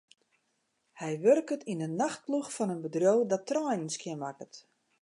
Hy wurket yn 'e nachtploech fan in bedriuw dat treinen skjinmakket.